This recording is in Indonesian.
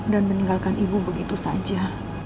dan meninggalkan ibu begitu saja